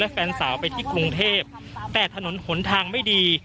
แฟนสาวไปที่กรุงเทพแต่ถนนหนทางไม่ดี